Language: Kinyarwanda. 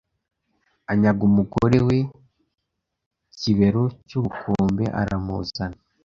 anyaga umugore we Kibero cy’ubukombe aramuzana